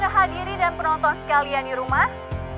sehingga pada hadiri dan penonton sekalian di rumah